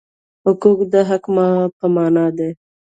حقوق د حق په مانا دي.